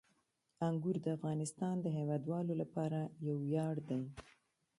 انګور د افغانستان د هیوادوالو لپاره یو ویاړ دی.